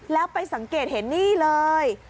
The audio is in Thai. แล้วไปสังเกตเห็นนี่เลย